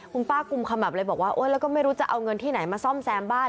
คุณป้ากุมขมับเลยบอกว่าโอ๊ยแล้วก็ไม่รู้จะเอาเงินที่ไหนมาซ่อมแซมบ้าน